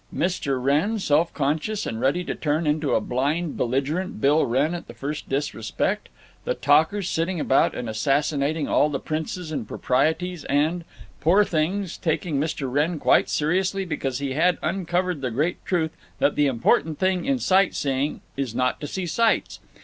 —Mr. Wrenn, self conscious and ready to turn into a blind belligerent Bill Wrenn at the first disrespect; the talkers sitting about and assassinating all the princes and proprieties and, poor things, taking Mr. Wrenn quite seriously because he had uncovered the great truth that the important thing in sight seeing is not to see sights.